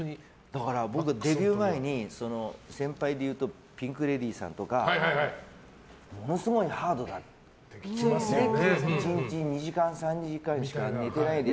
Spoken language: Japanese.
だから僕、デビュー前に先輩でいうとピンク・レディーさんとかものすごいハードだって１日２時間３時間しか寝てないで。